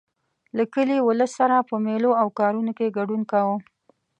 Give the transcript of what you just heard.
له کلي ولس سره په مېلو او کارونو کې ګډون کاوه.